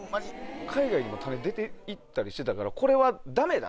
海外に種出ていったりしたからこれはダメだと。